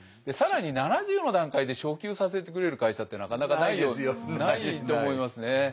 更に７０の段階で昇給させてくれる会社ってなかなかないと思いますね。